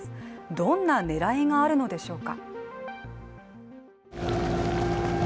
どんな狙いがあるのでしょうか。